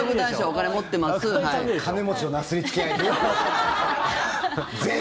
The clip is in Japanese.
金持ちのなすりつけ合い。